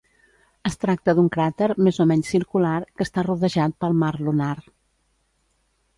Es tracta d"un cràter, més o menys circular, que està rodejat pel mar lunar.